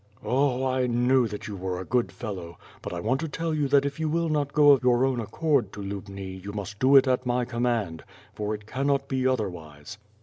"Oh! I knew that you were a good fellow, but I want to tell you that if you will not go of your own accord to Lubni you must do it at my command; for it cannot be otherwise."